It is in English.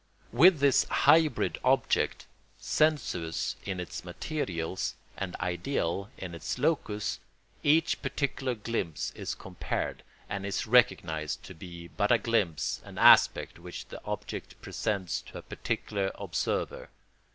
With this hybrid object, sensuous in its materials and ideal in its locus, each particular glimpse is compared, and is recognised to be but a glimpse, an aspect which the object presents to a particular observer.